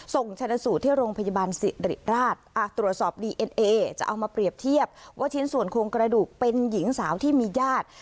ส่งชนะสูตรที่โรงพยาบาลสิริราชตรวจสอบดีเอ็นเอจะเอามาเปรียบเทียบว่าชิ้นส่วนโครงกระดูกเป็นหญิงสาวที่มีญาติ